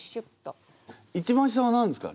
一番下は何ですか？